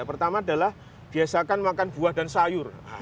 pertama adalah biasakan makan buah dan sayur